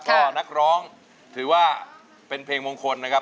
ก็นักร้องถือว่าเป็นเพลงมงคลนะครับ